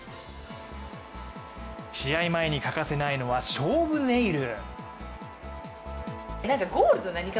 試合前に欠かせないのは、勝負ネイル。